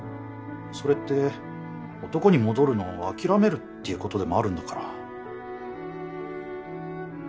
それって男に戻るのを諦めるっていうことでもあるんだから。